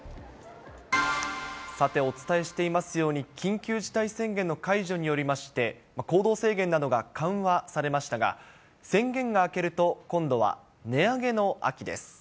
さてお伝えしていますように、緊急事態宣言の解除によりまして、行動制限などが緩和されましたが、宣言が明けると、今度は値上げの秋です。